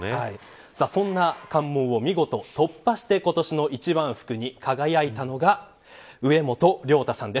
そんな関門を見事突破して今年の一番福に輝いたのが植本亮太さんです。